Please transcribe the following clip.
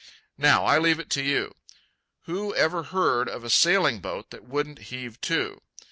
Now I leave it to you. Who ever heard of a sailing boat that wouldn't heave to?